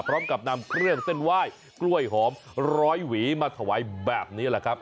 พร้อมกับนำเครื่องเส้นไหว้กล้วยหอมร้อยหวีมาถวายแบบนี้แหละครับ